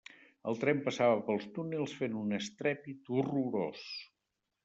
El tren passava pels túnels fent un estrèpit horrorós.